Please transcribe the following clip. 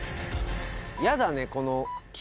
やだね、この木。